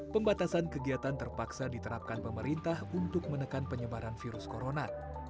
pembatasan kegiatan terpaksa diterapkan pemerintah untuk menekan penyebaran virus corona